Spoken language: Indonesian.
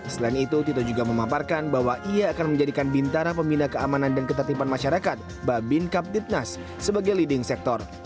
selain itu tito juga memaparkan bahwa ia akan menjadikan bintara pembina keamanan dan ketertiban masyarakat babin kapditnas sebagai leading sector